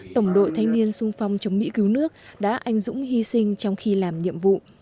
tổng đội thanh niên sung phong chống mỹ cứu nước đã anh dũng hy sinh trong khi làm nhiệm vụ